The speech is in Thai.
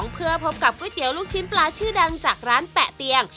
เพื่อพบกับก๋วยเตี๋ยวลูกชิ้นปลาชื่อดังจากร้านแปะเตียง